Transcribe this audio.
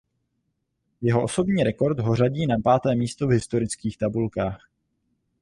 Jeho osobní rekord ho řadí na páté místo v historických tabulkách.